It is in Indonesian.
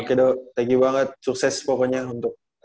oke do thank you banget sukses pokoknya untuk